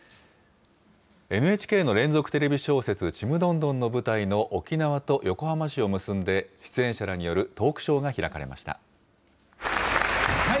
ＮＨＫの連続テレビ小説、ちむどんどんの舞台の沖縄と横浜市を結んで、出演者らによるトークショーが開かれました。